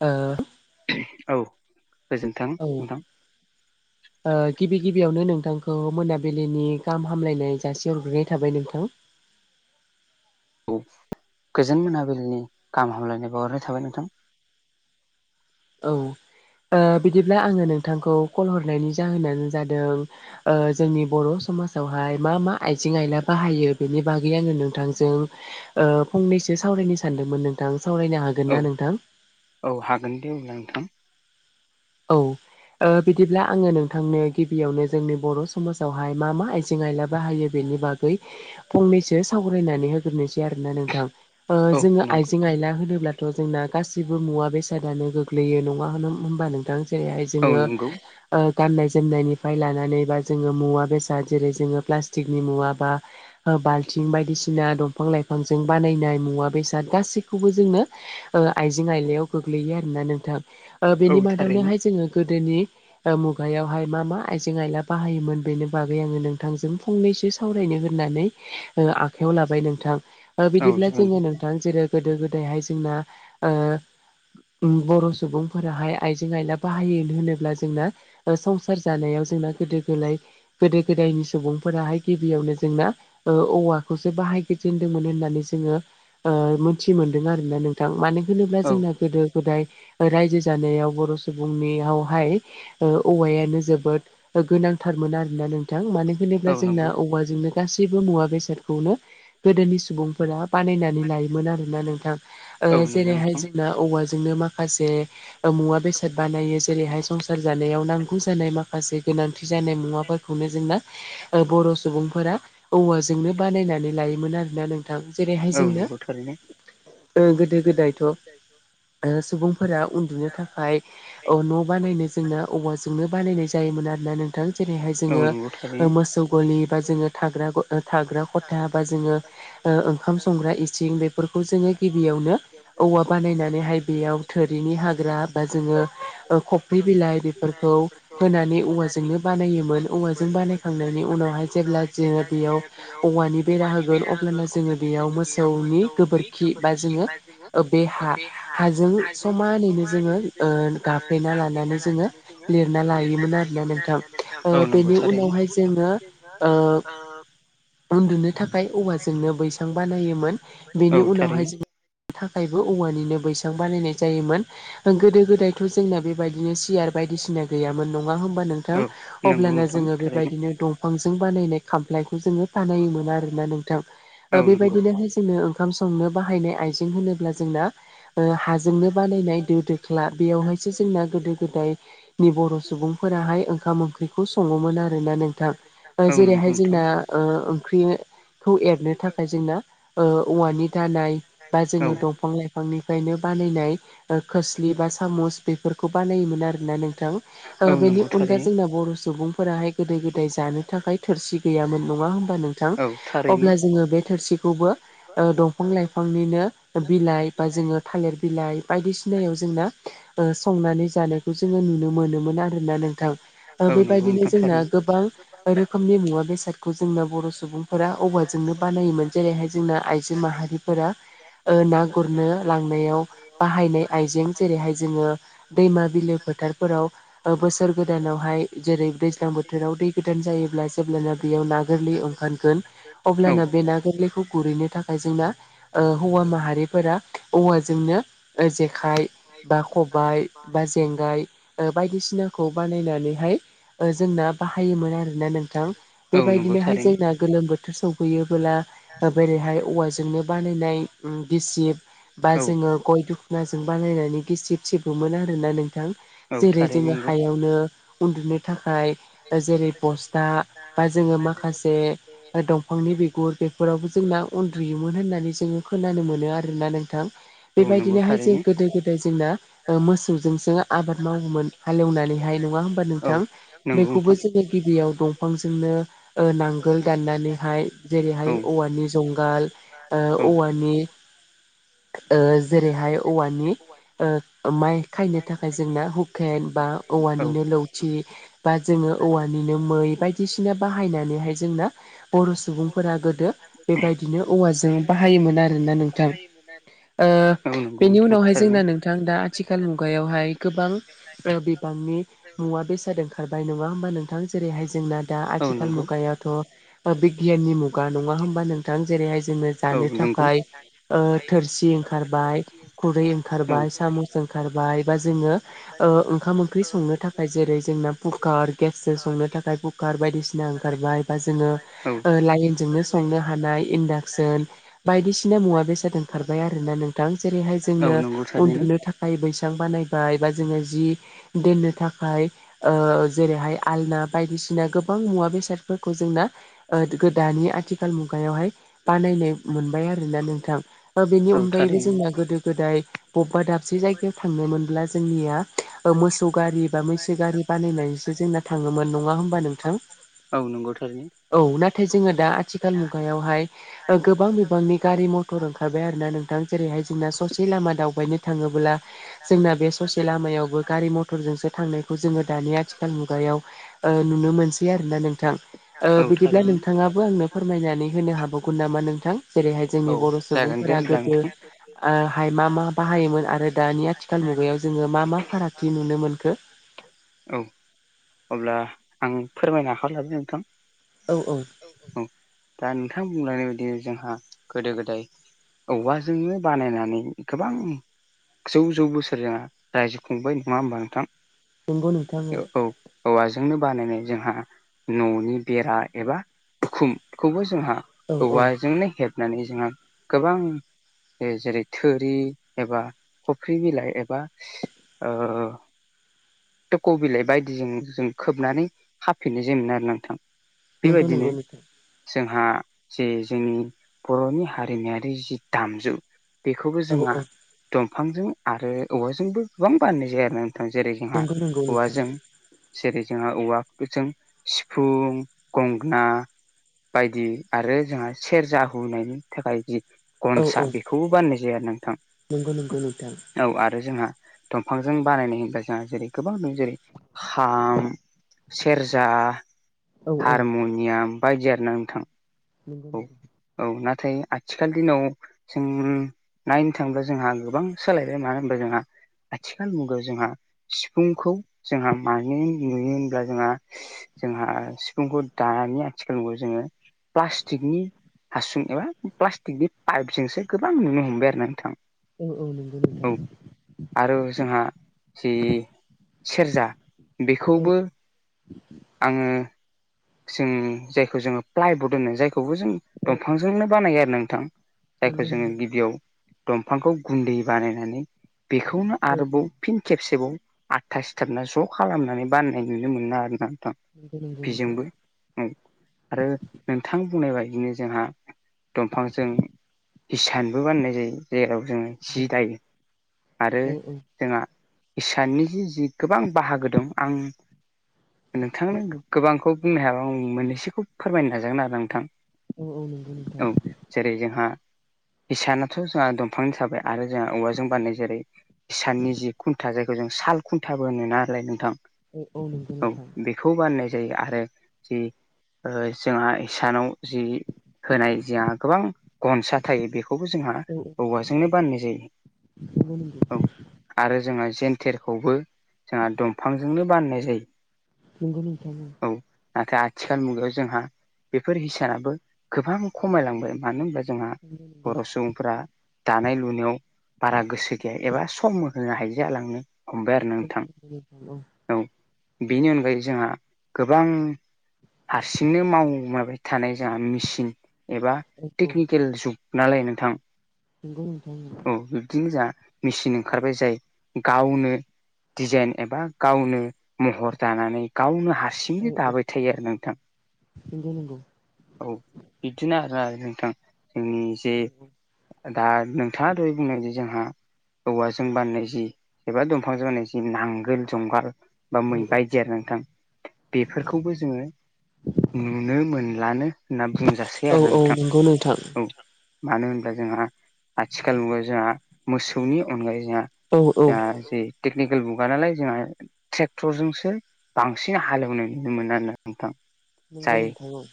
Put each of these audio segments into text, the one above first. ओ औ गोजोन्थों औ नोंथां ओ गिबि गिबियावनो नोंथांखौ मोनाबिलिनि गाहाम हामलायनाय जासिहरग्रोनाय थाबाय नोंथां औ गोजोन मोनाबिलिनि गाहाम हामलायनाय बावहरनाय थाबाय नोंथां औ ओ बिदिब्ला आङो नोंथांखौ कल हरनायनि जाहोनानो जादों ओ जोंनि बर' समाजावहाय मा मा आइजें आयला बाहायो बेनि बागै आङो नोंथांजों ओ फंनैसो सावरायनो सानदोंमोन नोंथां सावरायनो हागोन औ ना नोंथां? औ हागोन दे अब्ला नोंथां औ ओ बिदिब्ला आङो नोंथांनो गिबियावनो जोंनि बर' समाजावहाय मा मा आय जें आइला बाहायो बेनि बागै फंनैसो सावरायनानै होग्रोनोसै आरोना नोंथां ओ औ जोङो नंगौ आइजें आयला होनोब्ला थ' जोंना गासिबो मुवा बेसादानो गोग्लैयो नङा होन- होमबा नोंथां? हाय औ जोङो नंगौ ओ गाननाय जोमनायनिफ्राय लानानै बा जोङो मुवा बेसाद जेरै जोङो प्लास्टिकनि मुवा बा ओ बाल्थिं बायदिसिना दंफां लाइफांजों बानायनाय मुवा बेसाद गासैखौबो जोंनो ओ आइजें आयलायाव गोग्लैयो आरोना नोंथां ओ औ बेनि थारैनो मादावनोहाय जोङो गोदोनि ओ मुगायावहाय मा मा आइजें आयला बाहायोमोन बेनि बागै आङो नोंथांजों फंनैसो सावरायनो होननानै ओ आखाइायाव लाबाय नोंथां। औ बिदिब्ला जागोन जोङो दे नोंथां जेरै गोदो गोदायहाय जोंना ओ ओम बर' सुबुंफोराहाय आइजें आइला बाहायोन होनोब्ला जोंना ओ संसार जानायाव जोंना गोदो गोलाय गोदो गोदायनि सुबुंफोराहाय गिबियावनो जोंना ओ औवाखौसो बाहायगोजेनदोंमोन होननानै जोङो ओ मोनथि मोनदों आरोना नों थां मानो होनोब्ला औ जोंना गोदो गोदाय रायजो जानायाव बर' सुबुंनियावहाय ओ औवायानो जोबोद गोनांथारमोन आरोना नोंथां। मानो औ होनोब्ला जोंना नंगौ औवाजोंनो गासैबो मुवा बेसादखौनो गोदोनि सुबुंफोरा बानायनानै लायोमोन आरोना नोंथां। औ ओ नंगौ जेरैहाय नोंथां जोंना औवाजोंनो मा खासे मुवा बेसाद बानायो जेरैहाय संसार जानायाव नांगौ जानाय मा खासे गोनांथि जानाय मुवाफोरखौनो जोंना ओ बर' सुबुंफोरा औवाजोंनो बानायनानै लायोमोन आरोना नोंथां जेरैहाय औ जोंनो नंगौ थारैनो ओ गोदो गोदायथ' ओ सुबुंफोरा उन्दुनो थाखाय ओ न' बानायनो जोंना औवाजोंनो बानायनाय जायोमोन आरोना नोंथां जेरैहाय औ जोङो नंगौ ओ थारैनो मोसौ गलि बा जोङो थाग्रा ख- थाग्रा खथा बा जोङो ओ ओंखाम संग्रा इसिं बेफोरखौ जोङो गिबियावनो औवा बानायनानैहाय बेयाव थोरिनि हाग्रा बा जोङो ओ खफ्रि बिलाइ बेफोरखौ होननानै औवा जोंनो बा जायोमोन औवाजों बानायखांनायनि उनावहाय जेब्ला जोङो बेयाव औवानि बेरा होगोन अब्लाना जोङो बेयाव मोसौनि गोबोरखि बा जोङो ओ बे हा हाजों समानैनो जोङो ओ गाफ्लेना लानानै जोङो लिरना लायोमोन आरोना नोंथां। ओ बेनि उनावहाय जोङो ओ उन्दुनो थाखाय औवाजोंनो बैसां बानायोमोन औ बेनि थारैनो उनावहाय जों थाखायबो औवानिनो बैसां बानायनाय जायोमोन ओ गोदो गोदायथ' जोंना बेबायदिनो सियार बायदिसिना गैयामोन नङा होमबा नोंथां? औ नंगौ अब्लाना नोंथां जोङो थारैनो बेबायदिनो दं बिफां बानायनाय खामखौ जोङो बानायोमोन आरोना नोंथां। औ ओ नंगौ बेबायदिनोहाय नो ओंखाम संनो बाहायनाय आइजें होनोब्ला जोंना ओ हाजोंनो बानायनाय दो दो ख्ला बेयावहायसो जोंना गोदो गोदायनि बर' सुबुंफोराहाय ओंखाम ओंख्रि खौ सङोमोन आरोना नोंथां। ओ औ नंगौ जेरैहाय नोंथां जोंना ओंख्रि खौ एरनो थाखाय जोंना ओ औवानि दानाय बा औ जोङो दंफां लाइफां फांनिफ्रायनो बानायनाय खोस्लि बा सामुस बेफोरखौ बानायोमोन आरोना नोंथां। ओ औ बेनि नंगौ अनगा थारैनो जोंना बर' सुबुंफोराहाय गोदो गोदाय जानो थाखाय थोरसि गैयामोन। नङा होमबा नोंथां? औ थारैनो अब्ला जोङो बे थोरसिखौबो ओ दंफां लाइफांनिनो बिलाइ बा जोङो थालिर बिलाइ बायदिसिनायाव जोंना संनानै जानायखौ जोङो नुनो मोनोमोन आरोना नोंथां। ओ औ नंगौ बेबायदिनो नोंथां जोंना थारैनो गोबां रोखोमनि मुवा बेसादखौ जोंना बर' सुबुं फोर औवाजोंनो बानायोमोन जेरैहाय जोंना आइजो माहारिफोरा ओ ना गुरनो लांनायाव बाहायनाय आइजें जेरैहाय जोङो दैमा बिलो फोथारफोराव बोसोर गोदानावहाय जेरै दैज्लां बोथोराव दै गोदान जायोब्ला जेब्लाना बेयाव ना गोरलै ओंखारगोन औ अब्लाना बे ना गोरलैखौ गुरहैनो थाखाय जोंना ओ हौवा माहारिफोरा औवाजोंनो जेखाइ खबाइ बा जेंगाय बायदिसिनाखौ बानायनानैहाय ओ जोंना बाहायोमोन आरोना नोंथां औ नंगौ बेबायदिनोहाय थारैनो जोंना गोलोम बोथोर सफै खुयोबोला बोरैहाय औवाजोंनो बानायनाय गिसिब बा औ जोङो गय दखनाजों बानायायनानै गिसिब सिबोमोन आरोना नोंथां। औ जेरै थारैनो जोङो नंगौ हायावनो उन्दुनो थाखाय जेरै बसथा बा जोङो माखासे दंफांनि बिगुर बे फोरावबो जोंना उन्दुयोमोन होननानै जोङो खोनानो मोनो आरोना नोंथां औ नंगौ बेबायदिनोहाय जों थारैनो गोदो गोद दाय जोंना मोसौजोंसो आबाद मावोमोन हाले एवनानैहाय नङा होमबा औ नोंथां नंगौ बेखौबो नोंथां जोङो गिबियाव दंफांजोंनो ओ नांगोल दाननानैहाय औ जेरैहाय औवानि जुंगाल औ ओ औवानि ओ जेरैहाय औवानि ओ माइ खायनो थाखाय जोंना हुकेन बा औ औवानिनो लावथि बा जोङो औवानिनो मै बायदिसिना बाहायनानैहाय जोंना बर' सुबुंफोरा गोदो बेबायदिनो औवाजों बाहायोमोन आरोना नोंथां ओ औ नंगौ बेनि नोंथां उनावहाय थारैनो जोंना नोंथां दा आथिखाल मुगायावहाय गोबां बिबांनि मुवा बेसाद ओंखारबाय नङा होमबा नोंथां जेरैहाय जोंना दा औ आथिखाल नंगौ मुगायावथ' बिगियाननि मु गा नङा होमबा नोंथां जेरैहाय जोङो औ जानो नंगौ थाखाय ओ थोरसि ओंखारबाय खुरै औ ओंखारबाय सामुस ओंखारबाय बा जोङो ओ ओंखाम ओंख्रि संनो थाखाय जेरै जोंना कुकार गेसजों संनो थाखाय कुकार बायदिसिना ओंखारबाय बा जोङो औ ओ लाइन जोंनो संनो हानाय इनडाकसन बायदिसिना मुवा बेसाद ओंखारबाय आरोना नों थां जेरैहाय औ जोंनो नंगौ थारैनो उन्दुनो नो थाखाय बैस्रां बानायबाय बा जोङो जि दोननो थाखाय ओ जेरैहाय आयना बायदिसिना गोबां गोबां मुवा बेसादफोरखौ जोंना गोदानै आथिखाल मुगायावहाय बानायनाय मोनबाय आरोना नोंथां बा बेनि औ अनगायैबो थारैनो जोंना गोदो गोदाय बबेबा दाबसे जायगायाव थांनो मोनब्ला जोंनिया मोसौ गारि बा मैसो गारि बानायनाय जोंसो जोंना थाङोमोन नङा होमबा नोंथां औ नंगौ थारैनो औ ना थाय जोङो दा आथिखाल मुगायावहाय गोबां बिबांनि गारि मथर ओंखारबाय आरोना नों थां जेरैहाय जोंदा ससे लामा दावबायनो थाङोब्ला जोंना बे ससे लामायावबो गारि मथर जोंसो थांनायखौ जोङो दानि आथिखाल मुगायाव ओ नुनो मोनसै आरोना नोंथां ओ औ बिदिब्ला थारैनो नोंथाङा बो आंनो फोरमायनानै होनो हाबावगोन नामा नोंथां जेरैहाय जोंनि औ बर' जागोन दे सुबुंफोरा होमब्ला गोदो नोंथां हाय मा मा बाहायोमोन आरो दानि आथिखाल मुगायाव जोङो मा मा फारागथि नुनो मोनखो औ अब्ला आं फोरमायनो आखायाव लानि नोंथां औ-औ औ दा नोंथां बुंलांनाय बायदि जोंहा गोदो गोदाय औवाजोंनो बानायनानै गोबां जौ-जौ बोसोर जों रायजो खुंबाय नङा होमबा नोंथां नंगौ नोंथां औ औवाजोंनो बानायनाय जोंहा न'नि बेरा एबा उखुमखौबो जोंहा औ औ औवाजोंनो हेबनानै जोंहा गोबां जेरै थोरि एबा खफ्रि बिलाइ एबा ओ थक' बिलाइ बायदिजों जों खोबनानै हाफिननो जों आरो ना नोंथां। नंगौ बेबायदिनो नंगौ नोंथां जोंहा जे जोंनि बर'नि हारिमायारि जि दामजु बेखौबो औ जोंहा औ दंफांजों आरो औवाजोंबो गोबां बानायनाय जायो आरो नोंथां जेरै जोंहा नंगौ नंगौ नोंथां औवाजों जेरै जोंहा औवाफोरजों सिफुं गंगोना बायदि आरो जोंहा सेरजा हुनायनि थाखाय जि औ औ गनसा बेखौबो बानायनाय जायो आरो नोंथां नंगौ नंगौ नोंथां औ आरो जोंहा दंफांजों बानायनाय होनब्ला जोंहा जेरै गोबां दं जेरै खाम, सेरजा औ औ हारमुनियाम बायदि आरोना नोंथां। नंगौ औ नंगौ। औ नाथाय आथिखाल दिनाव जों नायनो थाङोब्ला जोंहा गोबां सोलायबाय मानो होनबा जोंहा। आथिखाल मुगायाव जोंहा सिफुंखौ जोंहा मानो नुयो होनब्ला जोंहा जोंहा सिफुंखौ दानि आथिखाल जोङो पस्टिकनि हासुं एबा प्लास्टिकनि पाइपजोंसो गोबां नुनो हमबाय आरो ना नोंथां। औ औ नंगौ नोंथां। औ आरो जोंहा जि सेरजा औ बेखौबो आङो जों जायखौ जोङो प्लाइबड होनो जायखौबो जों औ दंफांजोंनो बानायो आरो नोंथां। जायखौ नंगौ जोङो नंगौ गिबियाव दंफांखौ गुन्दै बानायनानै बेखौनो औ आरोबाव फिन खेबसेबाव आथा सिथाबना ज' खालामनानै बाननाय नुनो मोना आरोना नोंथां। नंगौ नोंथां। बेजोंबो आरो नोंथां बुंनाय बायदिनो जोंहा दंफांजों हिसानबो बाननाय जायो जेराव जोङो औ सि दायो आरो औ जोंहा इसाननि जि जि गोबां बाहागो दं आं नोंथांनो गोबांखौ बुंनो हाया आं मोननैसोखौ फोरमायनो नाजागोन आरो नोंथां। औ औ नंगौ औ नोंथां। जेरै जोंहा हिसानाथ' जोंहा दं। बिफां थाबाय आरो जोंहा औवाजों बानायनाय जेरै इसाननि जि खुन्था जाय जों साल खुन्थाबो नालाय नोंथां। औ औ नंगौ नोंथां। बेखौ बान्नाय जायो आरो जि जोंहा इसानाव जि होनाय जोंहा गोबां गनसा थायो बेखौ खौबो जोंहा औ औवाजोंनो बाननाय जायो नंगौ नंगौ औ। आरो जोङो जेेनथेरखौबो जोंहा दंफांजोंनो बाननाय जायो। नंगौ नोंथां। औ नाथाय आथिखाल मुगायाव जोंहा बेफोर हिसानाबो गोबां खमायलांबाय मानो होनबा जोंहा बर' सुबुं फ्रा दानाय लुनायाव बारा गोसो गैया एबा सम होनो हायो जालांनो हमबाय आरो नोंथां औ बेनि अनगायै जोंहा गोबां हारसिंनो माबाय थानाय जोंहा मेसिन एबा औ औ टेकनिकेल जुग नालाय नोंथां नंगौ नोंथां औ बिब्दिनो जा मेसिन ओंखारबाय जायो गावनो दिजाइन एबा गावनो महर दानानै गावनो हारसिं औ बिदिनो औ दाबाय थायो आरो नोंथां। नंगौ नंगौ औ बिदिनो आरो नोंथां जोंनि जे औ औ दा नोंथाङा दहाय बुंनायादि जोंहा औवाजों बानायनाय जि एबा दंफांजों बानायनाय जि नांगोल जुंगाल बा औ मै बायदि आरो नोंथां बेफोरखौबो जोङो नुनो मोनलानो होनना बुंजासै औ आरो औ नोंथां नंगौ नोंथां औ मानो होनब्ला जोंहा आथिखाल मुगायाव जोंहा मोसौनि अनगायै औ जोंहा औ [unintelligible] टेकनिकेल मुगा नालाय जोंहा ट्रेक्टरजोंसो बांसिन हालेवनो नुनो मोनो नोंथां। नंगौ जाय नोंथा औ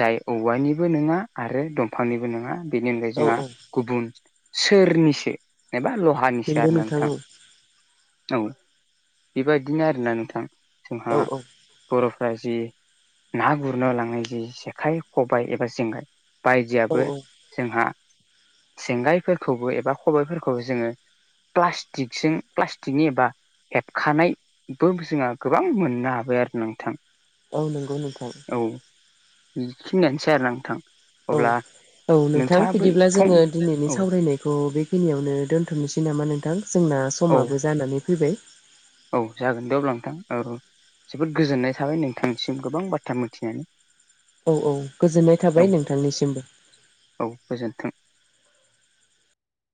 जाय औवानिबो नङा आरो दंफांनिबो नङा बेनि अनगायै औ जोंहा औ गुबुन सोरनिसो एबा लहानिसो आरो नोंथां औ बेबायाददिनो आरोना नोंथां औ जोंहा बर'फ्रा जि ना गुरनो लांनाय जि जेखाइ खबाय एबा जेंगाइ औ बायदियाबो जोंहा सेंगायफोरखौबो एबा खबायफोरखौबो जोङो प्लास्टिकजों प्लास्टिकनि एबा हेबखानायबो जोंहा गोबां मोननो हाबाय आरो नोंथां औ नंगौ नोंथां औ बिखिनिआनोसै आरो नोथां औ औ नोंथां बिदिब्ला फं जोङो दिनैनि औ सावरायनायखौ बे फैनियावनो दोन्थ'नोसै नामा नोंथां जोंना औ समाबो जानानै फैबाय औ जागोन दे अब्ला नोंथां औ जोबोद गोजोननाय थाबाय नोंथांनिसिम गोबां बाथ्रा मिथिनानै औ औ गोजोननाय औ थाबाय नोंथांनिसिमबो औ गोजोन्थों